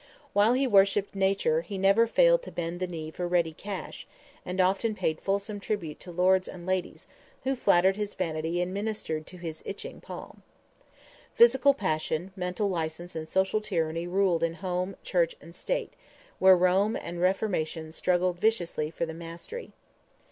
While he worshiped nature, he never failed to bend the knee for ready cash, and often paid fulsome tribute to lords and ladies, who flattered his vanity and ministered to his "itching palm." Physical passion, mental license and social tyranny ruled in home, church and state, where Rome and Reformation struggled viciously for the mastery.